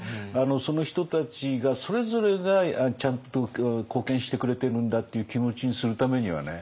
その人たちがそれぞれがちゃんと貢献してくれてるんだっていう気持ちにするためにはね